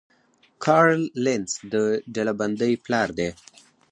کارل لینس د ډلبندۍ پلار دی